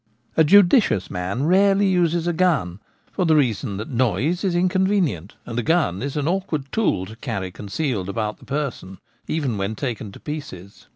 A judicious man rarely uses a gun, for the reason that noise is inconvenient, and a gun is an awkward tool to carry concealed about the person even when taken to pieces.